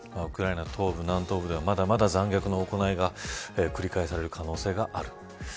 ウクライナ東部、南東部ではまだまだ残虐な行いが繰り返される可能性がある。